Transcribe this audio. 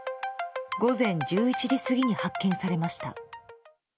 午前１１時過ぎに発見されました。